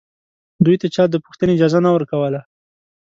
دوی ته چا د پوښتنې اجازه نه ورکوله